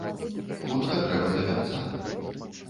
Хутка трэба да вянца.